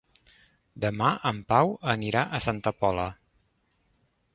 Demà en Pau anirà a Santa Pola.